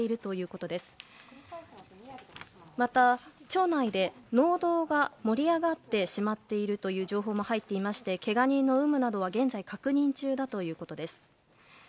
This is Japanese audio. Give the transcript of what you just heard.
また、町内で納土が盛り上がってしまっているという情報も入っていましてけが人の有無などは現在、確認中ということです。